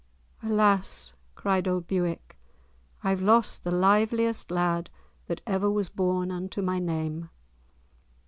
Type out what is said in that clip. "Alas," cried old Bewick, "I've lost the liveliest lad that ever was born unto my name."